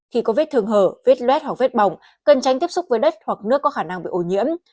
khi có vết thương hở vết luet hoặc vết bỏng cần tránh tiếp xúc với đất hoặc nước có khả năng bị ô nhiễm